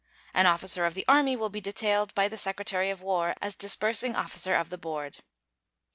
An officer of the Army will be detailed by the Secretary of War as disbursing officer of the board.